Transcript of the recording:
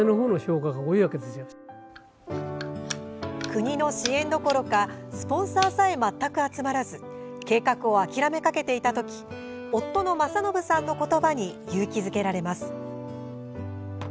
国の支援どころかスポンサーさえ全く集まらず計画を諦めかけていた時夫の政伸さんの言葉に勇気づけられます。